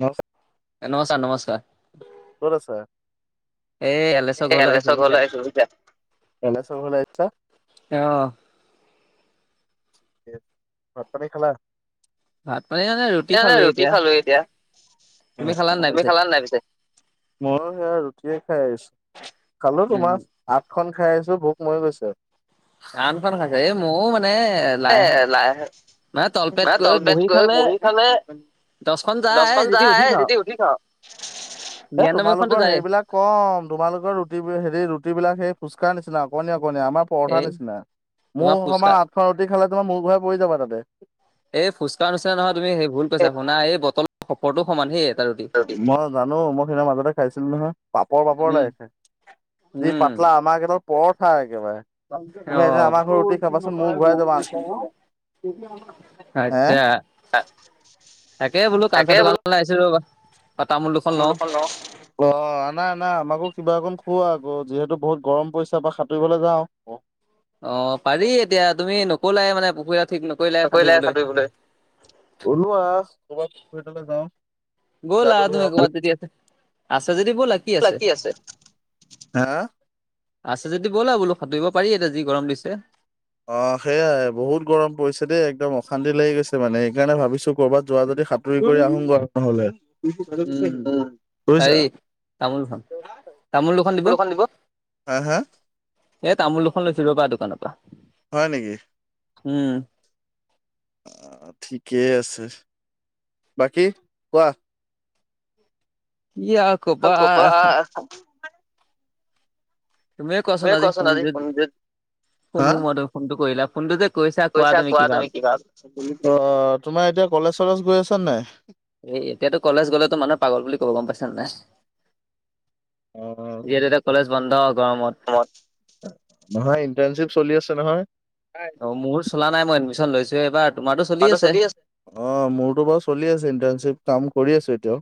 ন নমস্কাৰ নমস্কাৰ। ক'ত আছা? এ এ এলে চ ভাল আহিছ বু এলে চ ঘলে আ--ছ অ। [unintelligible] ভাতপানী খালা? এ ৰুটি খালো এতিয়া। অ অ তুমি খালা নাই পিছে? মই সেয়া ৰুটিয়ে খাই আহিছো। খালো তোমাৰ। আঠ খন খাই আহিছো, ভোক মৰি গৈছে। আন খন খাইছা। এ মও মানে এ লাহে তল পেট কৈ বহি খালে দচখন যায় উঠি ঠ। এ তোমালোকৰ সেইবিলাক কম। তোমালোকৰ ৰুটিবোৰ হেৰি ৰুটি বিলাক সেই ফুচকাৰ নিচিনা অকমানি অকমানি। আমাৰ পৰঠা নিচিনা। মোৰ সমান আঠখন ৰুটি খালে তোমাৰ মোৰ ঘূৰাই পৰি যাবা তাতে। এই ফুচকাৰ নিচিনা নহয় তুমি সেই ভুল কৈছা এই বটলৰ পৰটো সমান হে এটা ৰুটি। মই জানো মই সেইদিনা মাজতে খাইছিলো নহয়, পাপৰ পাপৰ লাগে খাই। যি পাতলা, আমাৰ কেইডাল পৰঠা একেবাৰে। অ। আচ্ছা, তাকে বোলো কাঞ্চা দোকা--লে আহি ছো ৰবা। তামোল দুখন লও। অ নাই নাই, আমাকো কিবা অকন খুউৱা আকৌ। যিহেতু বহুত গৰম পৰিছে বা সাঁতুৰিবলে যাও। অ পাৰি এতিয়া, তুমি নকলাই মানে পুখুৰী ঠিক নক নকৰিলাই সাঁতুৰিবলৈ। ওলোৱা কৰবাত পুখুৰী এটালৈ যাও। ব'লা তুমি ক'বাত যদি আছে। আছে যদি ব'লা, কি আছে? হা হা। আছে যদি ব'লা বোলো, সাতুৰিব পাৰি এতিয়া যি গৰম দিছে। অ সেয়াই বহুত গৰম পৰিছে দেই। একদম অশান্তি লাগি গৈছে মানে। সেইকাৰণে ভাবিছো কৰ'বাত যোৱা যদি সাত তুৰি কৰি আ নহলে। বুজিছা? [unintelligible] দুখন দিব। হা হা। এ তামোল দুখন লৈছো ৰবা দোকান পা। হয় নেকি? উম। অ ঠিকেই আছে। বাকী কোৱা? [unintelligible] [unintelligible] তুমিয়ে কোৱাচোন আজি কোন যন কোনোমতে ফোনটো কৰিলা। ফোনটো যে কৰিছা কোৱা তুমি কিবা এ অ তোমাৰ এতিয়া কলেজ চলেজ গৈ আছা নাই? এ এতিয়াতো কলেজ গলেতো মানুহ পাগল বুলি কব গম পাইছা নে নাই অ যিহেতু এতিয়া কলেজ বন্ধ গৰমত গৰমত নহয় ইণ্টাৰণশ্বিপ চলি আছে নহয়। অ মোৰ চলা নাই মই এডমিশ্যন লৈছোহে এইবাৰ তহতৰ চলি আছে অ মোৰতো বাৰু চলি আছে ইটাৰৰ্ণশ্বিপ কাম কৰি আছো এতিয়াও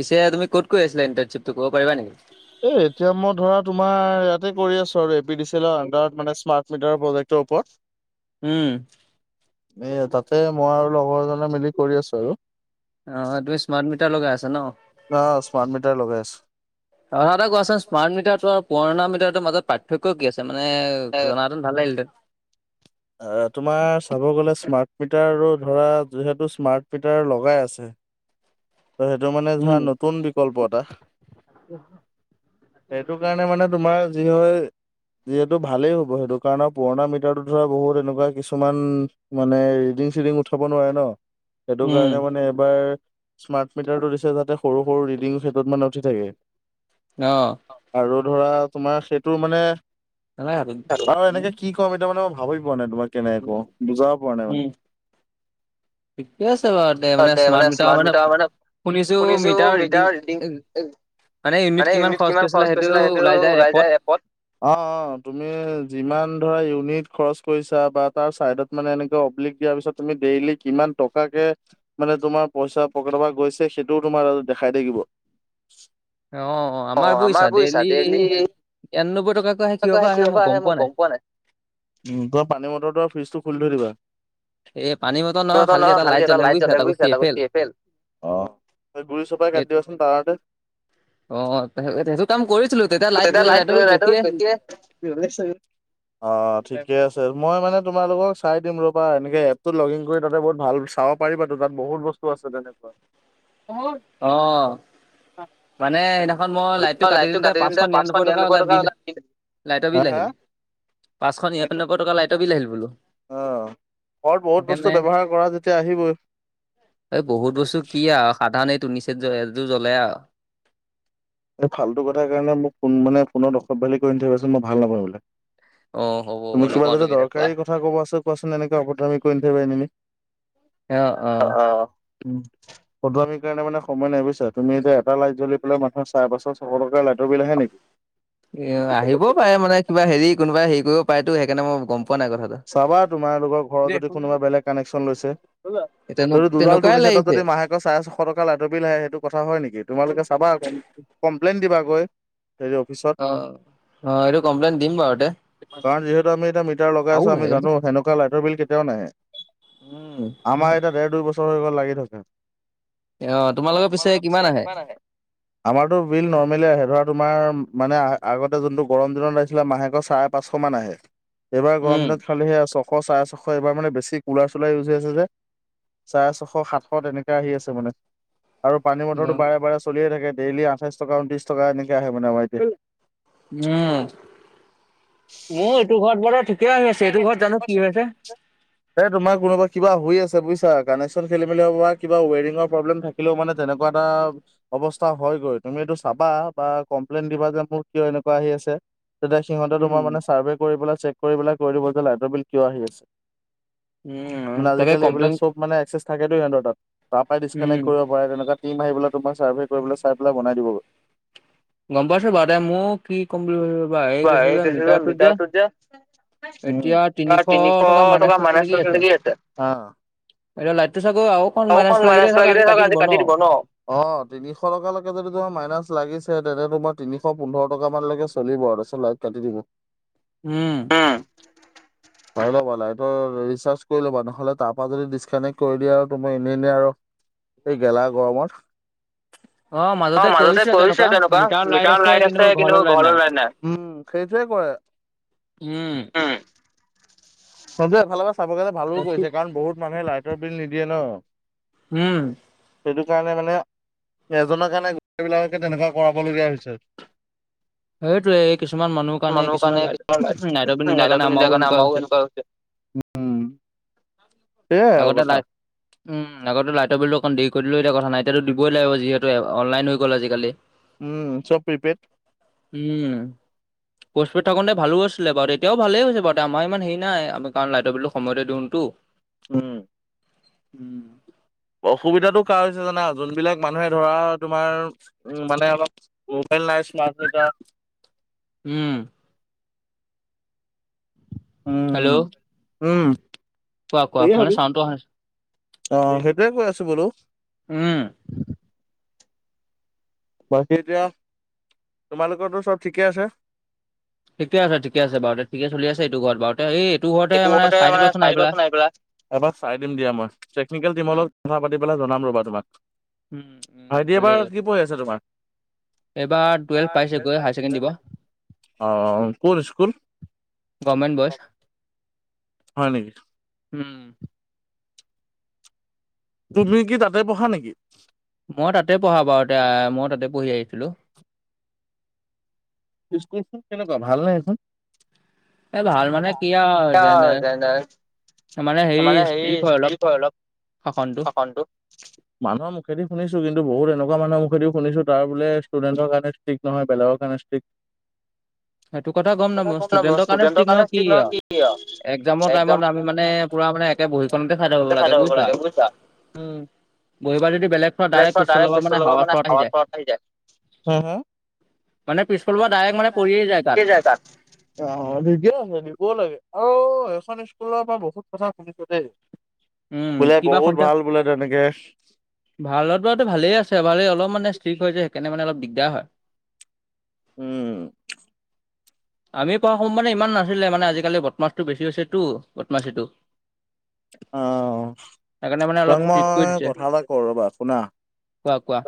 পিছে তুমি কত কৰি আছিলা ইণ্টাৰশ্বিপটো কব পাৰিবা নেকি। এ এতিয়া মই ধৰা তোমাৰ ইয়াতে কৰি আছো আৰু এ পি ডি চি এলৰ আন্ডাৰত মানে স্মাৰ্ট মিটাৰৰ প্ৰজেক্টৰ ওপৰত উম এয়া তাতে মই আৰু লগৰ এজনে মিলি কৰি আছো আৰু অ সেইটোৱেই স্মাৰ্ট মিটাৰ লগাই আছা ন আৰু এটা কোৱাচোন স্মাৰ্ট মিটাৰটো আৰু পুৰণা মিটাৰৰ মাজত পাৰ্থক্য কি আছে মানে জনাত ভাল লাগিল অ তোমাৰ চাব গলে স্মাৰ্ট মিটাৰো ধৰা যিহেতু স্মাৰ্ট মিটাৰ লগাই আছে ত' সেইটো মানে ধৰা নতুন বিকল্প এটা সেইটো কাৰণে মানে তোমাৰ যি হয় যিহেতু ভালেই হ'ব সেইটো কাৰণে পুৰণা মিটাৰটো ধৰা বহুত এনেকুৱা কিছুমান মানে ৰিডিং চিডিং উঠাব নোৱাৰে ন সেইটো কাৰণে মানে এবাৰ স্মাৰ্ট মিটাৰটো দিছে যাতে সৰু সৰু ৰিডিংৰ ক্ষেত্ৰত মানে উঠি থাকে অ আৰু ধৰা তোমাৰ সেইটো মানে আৰু এনেকে কি ট মিটাৰ মানে মই ভাবি পোৱা নাই তোমাক কেনেকে কও বুজাব পৰা নাই মানে ঠিকে আছে বাৰু দে মানে স্মাৰ্ট মিটাৰ মানে মানে শুনিছো মিটাৰডং [unintelligible] মানে ইউনিট কিমান খৰচ কৰিছিলে সেইটো ওলাই যায় এপত অ অ তুমি যিমান ধৰা ইউনিট খৰচ কৰিছা বা তাৰ চাইডত মানে এনেকে অব্লিক দিয়াৰ পিছত তুমি ডেইলি কিমান টকাকে মানে তোমাৰ পইচা পকেটৰ পৰা গৈছে সেইটোও তোমাৰ দেখাই থাকিব অ অ আমাৰ বুজিছা ডেইলি এটা তিয়ানব্বৈৰ টকাকৈ আহে কিহৰ পৰা আহে মই গম পোৱা নাই উ তোমাৰ পানী মটৰটো আৰু ফ্ৰিজটো খুলি থৈ দিবা ত নহ খালি এটা লাইত [unintelligible] ই বুইছা এটা [unintelligible] ফেল অ গুৰি চপাই কাটি দিবাচোন তাৰ তাতে অ সেইটো কাম কৰিছিলোঁ তেতিয়া লাইট লাইটৰ বেছিয়ে বি [unintelligible] অ ঠিকে আছে মই মানে তোমালোকক চাই দিম ৰবা এনেকে এপতো লগ ইন কৰি তাতে বহুত ভাল চাও পাৰিবাটো তাত বহুত বস্তু আছে তেনে অ অ অ মানে সেইদিনাখন মই লাইটটো কাটি দিওঁতে পাঁচশ নিৰান্নব্বৈ টকা ওলাই বিল লাইটৰ বিল আহিল পাঁচশ নিৰান্নব্বৈ টকাৰ লাইটৰ বিল আহিল বোলো অ ঘৰত বহুত বস্তু ব্যৱহাৰ কৰা যেতিয়া আহিবই এই বহুত বস্তু কি আৰু সাধাৰণ এই তু নিচট এযটো জ্বলে আৰু [unintelligible] এই ফালটো কথাৰ কাৰণে মোক ফোন মানে ফোনত অসভ্যালি কৰি থাকিবাচোন মই ভাল নাপাওঁ ইবিলাক অ হ'ব। তোমাৰ কিবা যদি দৰকাৰী কথা ক'ব আছে কোৱাচোন এনেকে অভদ্ৰমি কৰি নাথাকিবি এনিমি। অ অ। উম অভদ্ৰামিৰ কাৰণে মানে সময় নাই বুজিছা তুমি এতিয়া এটা লাইট জ্বলি পেলাই মা। চাৰ পাছৰ সকলোৰে লাইটৰ বিল আহে নেকি। এ আহিবও পাৰে মানে কিবা হেৰি কোনোবা হেৰি কৰিব পাৰে তো সেইকাৰণে মই গম পোৱা নাই কথাটো। চাবা তোমালোকৰ ঘৰত যদি কোনোবা বেলেগ কানেকশ্যন লৈছে বা। যদি দুজাল তনিচটত যদি মাহে। চাৰে ছশ টকা লাইটৰ বিল লাহে সেইটো কথা হয় নেকি তোমালোকে চাবা আক কমপ্লেইন দিবা গৈ। হেৰি অফিচত। কাৰণ যিহেতু আমি এতিয়া মিটাৰ লগাই আছোঁ আমি জানো। সেনেকুৱা লাইটৰ বিল কেতিয়াও নাহে আমাৰ এতিয়া দেৰ দুই বছৰ হৈ গ'ল লাগি থকা। অ তোমালোকৰ পিছে কিমান আহে। আমাৰতো বিল নৰ্মেলি আহে ধৰা তোমাৰ মানে আগতে যোনটো গৰম দিনত আহিছিলে মাহেকত চাই। পাঁচশ মান আহে এইবাৰ গৰম দিনত। ফালে সেয়া ছশ চাৰে ছয়শ এবাৰ মানে বেছি কুলাৰ চুলাৰ ইউজ হৈ আছে যে। চাৰে ছশ সাতশ তেনেকে আহি আছে মানে। আৰু পানী মটৰটো বাৰে বাৰে চলিয়ে থাকে ডেইলি আঠাইছ ট ঊনত্ৰিশ টকা এনেকে আহে মানে আমাৰ এতিয়া। উম উম এইটো ঘৰত বৰ ঠি। নতি। [unintelligible] এই তোমাৰ কৰবাত কিবা হৈ আছে বুজিছা, কানেকশ্বন খেলি মেলি বা কিব ৱেৰিঙৰ প্ৰব্লেম থাকে। থাকিলেও মানে তেনেকুৱা এটা। অৱস্থা হয়গৈ তুমি এইটো চাবা বা কমপ্লেইন দিবা যে মোৰ কিয় এনেকুৱা আহি আছে। তেতিয়া সিঁহতে তোমাৰ মানে চাৰ্ভে কৰি পেলাই চেক কৰি পেলাই কৈ দিব যে লাইটৰ বিল কিয় আহি আছে। মানে আজিকালি এইবিলাক চব। মানে এক্সিছ থাকেটো সিহতৰ তাৰ পৰাই ডিচকানেক্ট কৰিব পাৰে তেনেকুৱা। টীম আহি পেলাই তোমাক চাৰ্ভে কৰি পেলাই চাই পেলাই বনাই দিবগৈ। গম পাইছোঁ বাৰু দে মোক কি ক'ম বুলি ভাবি ভাবি মিটাৰটোত যে। এতিয়া তিনিশ টকা মাইনাচ লাগি আছে। এ লাইটটো চাগো আৰু অকন মাইনাচ লাগিলে চাগে আজি কাটি দিব ন। অ তিনিশ টকালৈকে যদি তোমাৰ মাইনাচ লাগিছে তেনে তোমাৰ তিনিশ পোন্ধৰ টকা মান লকে চলিব আৰু। চলাই কাটি দিব। উম। ভাই ল'বা লাইটৰ ৰিচাৰ্জ কৰি ল'বা নহ'লে তাৰ পৰা যদি ডিচকানেক্ট কৰি দিয়া আৰু তুমি এনে এনে আৰু। এই গেলা গৰমত। অ মাজতে কৰিছে তেনেকুৱা মিটাৰ লাইট আছে কিন্তু ঘৰৰ লাইট নাই। উম সেইটোৱে কৰে উম। চবে এফালৰ পৰা চাব গেলে ভালো কৰিছে কাৰণ বহুত মানুহে লাইটৰ বিল নিদিয়ে ন। উম। সেইটো কাৰণে মানে। এজনৰ কাৰণে গোটেই বিলাককে তেনেকুৱা কৰাবলগীয়া হৈছে। মানুহৰ কাৰণে কিমান লাইট, লাইটৰ বিল নিদিয়া কাৰণে আমাৰো এনেকুৱা। উম। আগতে লাইট। উম, আগতো লাইটৰ বিলটো অকণ দেৰি কৰি দিলো এতিয়া কথা নাই এতিয়াতো দিবই লাগিব যিহেতু এ অনলাইন হৈ গ'ল আজিকালি। উম চব প্ৰিপেড। উম। পষ্টপেট থাকোঁতে ভালো আছিলে বাৰু তেতিয়াও ভালেই হৈছে বাৰু আমাৰ ইমান হেৰি নাই আমি কাৰণ লাইটৰ বিলটো সময়তে দিওঁতো। উম। উম। অসুবিধাতো কাৰ হৈছে জানা? যোনবিলাক মানুহে ধৰা তোমাৰ উম' মানে অলপ মোবাইল নাই, স্মাৰ্ট মিটাৰ উম। উম, উম। কোৱা কোৱা মানে ছাউণ্ডটো অহা নাছি অ সেইটোৱেই কৈ আছো বোলো। উম। বাকী এতিয়া তোমালোকৰটো চব ঠিকে আছে? ঠিকে আছে ঠিকে আছে বাৰুতে ঠিকে চলি আছে এইটো ঘৰত, বাৰুতে এইটো ঘৰত এইটো ঘৰতে মানে চাই আহিবাচোন আহি পেলায়। এবাৰ চাই দিম দিয়া মই, টেকনিকেল টিমৰ লগত কথা পাতি পেলাই জনাম ৰ'বা তোমাক। ভাইটিয়ে বাৰু কি পঢ়ি আছে তোমাৰ? অ, কোন স্কুল? গভমেণ্ট বইছ। হয় নেকি? উম। তুমি কি তাতে পঢ়া নেকি? মই তাতে পঢ়া বাৰু এতিয়া মই তাতে পঢ়ি আহিছিলো। স্কুলখন কেনেকুৱা ভাল নে এইখন? এ ভাল মানে কি আৰু যেন - তেন। এ মানে হেৰি ষ্ট্ৰিক হয় অলপ শাসনটো। মানুহৰ মুখেদি শুনিছো কিন্তু বহুত এনেকুৱা মানুহৰ মুখেদি শুনিছো তাৰ বুলে ষ্টুডেণ্টৰ কাৰনে ষ্ট্ৰীক নহয় বেলেগৰ কাৰণে ষ্ট্ৰীক। কথা কম ন মই ষ্টুডেন্টৰ কাৰণে ষ্ট্ৰিক নহয় কি আৰু। একদম [inaudible] খাব লাগে বুজিছা? কানেকশ্বন, ডাইৰেক্ট পিছফালৰ পৰা মানে হাৱা - চাৱা মাৰি যায়। হুম', হুম'। মানে পিছফালৰপৰা ডাইৰেক্ট মানে পৰিয়ে যায়। ই যায় তাত। অ দিগে আছে, দিবও লাগে আৰু এখন স্কুলৰ পৰা বহুত কথা শুনিছো দেই। বোলে বহুত ভাল বোলে তেনেকে। ভালত বাৰু ত ভালেই আছে ভালেই অলপ মানে ষ্টিক হৈ যায় সেইকাৰণে মানে অলপ দিগদাৰ হয়। উম। আমি পঢ়া সময়ত মানে ইমান নাছিলে মানে আজিকালি বদমাছটো বেছি হৈছেতো বদমাচীটো। অ, তোমাক মই কথা এটা কওঁ ৰ'বা শুনা? কোৱা কোৱা?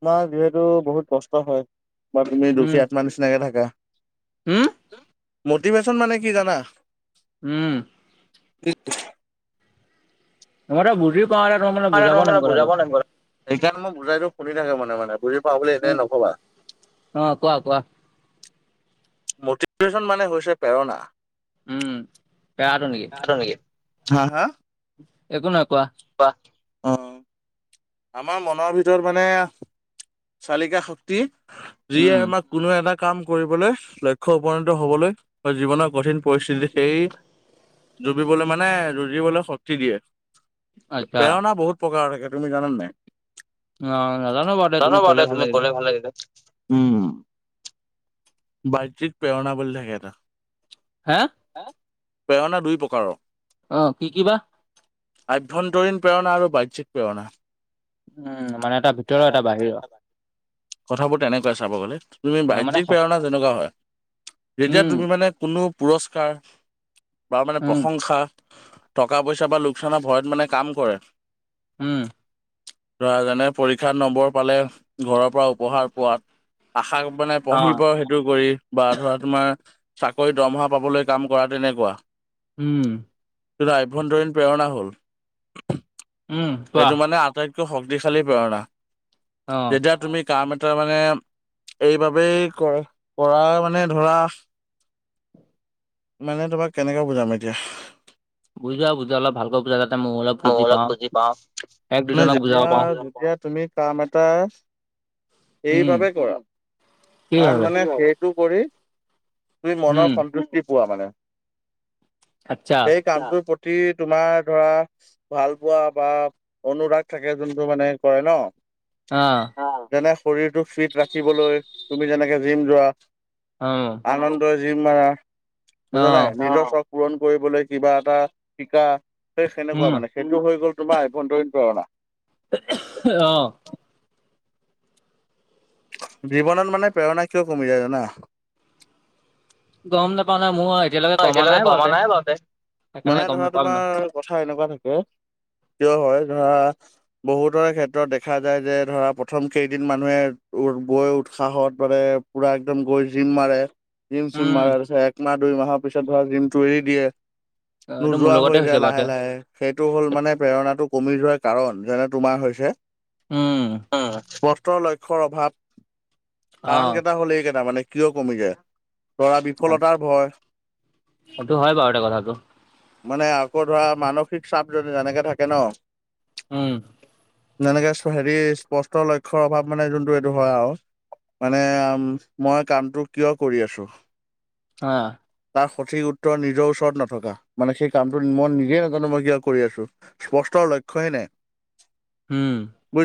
তোমাৰ যিহেতু বহুত কষ্ট হয় বা তুমি দুষী আত্মা নিচিনাকে থাকা মটিভেশ্যন মানে কি জানা? উম। কি? তোমাৰ ত বুজি পাওঁ এতিয়া তোমাৰ মানে বুজাব নোৱাৰিম কথাটো। সেইকাৰণে মই বুজাই দিও শুনি থাকে মনে মনে, বুজি পাওঁ বুলি এনেই নকবা। মতিভেচন মানে হৈছে প্ৰেৰণা। উম' পেৱাটো নেকি? পেয়াটো নিকি? হাঁ হাঁ। একো নাই কোৱা। কোৱা। আমাৰ মনৰ ভিতৰত মানে- চালিকা শক্তি যিয়ে আমাক কোনো এটা কাম কৰিবলৈ লক্ষ্যত উপনীত হবলৈ- বা জীৱনৰ কঠিন পৰিস্থিতি সেই- যুঁজিবলে মানে যুঁজিবলে শক্তি দিয়ে। প্ৰেৰণা বহুত প্ৰকাৰৰ থাকে তুমি জানা নে নাই? অঁ নাজানো বাত- জানো বাৰু দে তুমি ক'লে ভাল লাগিলে। উম' বাজ্যিক প্ৰেৰণা বুলি থাকে এটা। হাঁ। প্ৰেৰণা দুই প্ৰকাৰৰ। অঁ কি কি বা? আভ্যন্তৰীণ প্ৰেৰণা আৰু বাহ্যিক প্ৰেৰণা। উম' মানে এটা ভিতৰ এটা বাহিৰ। কথাবোৰ তেনেকুৱাই চাব গলে, তুমি বাহ্যিক প্ৰেৰণা যেনেকুৱা হয়- যেতিয়া তুমি মানে কোনো পুৰস্কাৰ বা মানে প্ৰশংসা- টকা পইচা বা লোকচানৰ ভয়ত মানে কাম কৰে- উম' লৰাজনে- পৰীক্ষাৰ নম্বৰ পালে ঘৰৰ পৰা উপহাৰ পোৱাত আশা মানে- পঢ়িব সেইটো কৰি বা ধৰা তোমাৰ চাকৰি দৰমহা পাবলৈ কাম কৰা তেনেকুৱা। উম' এইটো আভ্যয়ন্তৰীণ প্ৰেৰণা হল, এইটো মানে আটাইত- কৈ শক্তিশালী প্ৰেৰণা, যেতিয়া তুমি কাম এটা মানে- এইবাবেই কৰ কৰা মানে ধৰা- মানে তোমাক কেনেকে বুজাম এতিয়া? বুজা বুজা অলপ ভালকৈ বুজা যাতে মোৰ অলপ- ময়ো অলপ বুজি পাওঁ মানে যেতিয়া যেতিয়া তুমি- কাম এটা এইবাবে কৰা কাৰণ, মানে সেই- তু কৰি তুমি মনৰ সন্তুষ্টি পোৱা মানে। আৎচ্ছা। কামটোৰ প্ৰতি তোমাৰ ধৰা, - ভাল পোৱা বা অনুৰাগ থাকে যোনটো মানে কৰে ন। অঁ' যেনে শৰীৰটো ফিট ৰাখিবলৈ তুমি যেনেকে জিম যোৱা। অঁ' আনন্দৰ যিম মাৰা, বুজা নাই নিজ পূৰণ কৰিবলৈ কিবা এটা শিকা। তেনেকুৱা মানে, সেটো হৈ গ'ল তোমাৰ আভ্যন্তৰীণ প্ৰৰণা। অঁ' জীৱনত মানে প্ৰেৰণা কিয় কমি যায় জানা? গম নাপাওঁ না মইয়ো এতিয়ালৈকে কমা নাই ভালকে মানে ধৰা তোমাৰ কথা এনেকুৱা থাকে কিয় হয় ধৰা বহুতৰে ক্ষেত্ৰত দেখা যায় যে ধৰা প্ৰথম কেইদিন মানুহে গৈ উৎসাহত মানে পুৰা একদম গৈ জিম মাৰে জিম চিম মাৰা তাৰপিছত একমাহ দুই মাহৰ পিছত ধৰা জিমটো এৰি দিয়ে নোযোৱা হৈ যায় লাহে লাহে সেইটো হ'ল মানে প্ৰেৰণাটো কমি যোৱাৰ কাৰণ যেনে তোমাৰ হৈছে উম বহুতৰ লক্ষ্যৰ অভাৱ কাৰণ কেইটা হ'ল এইকেইটা মানে কিয় কমি যায় লৰা বিফলতাৰ ভয় সেইটো হয় বাৰু এটা কথাটো মানে আকৌ ধৰা মানসিক চাপ যদি তেনেকে থাকে ন উম যেনেকে হেৰি স্পষ্টৰ লক্ষ্যৰ অভাৱ মানে যোনটো এইটো হয় আৰু মানে মই কামটো কিয় কৰি আছো আ তাৰ সঠিক উত্তৰ নিজৰ ওচৰত নথকা মানে সেই কামটো মই নিজেই নাজানো মই কিয় কৰি আছো স্পষ্টৰ লক্ষ্যই নাই উম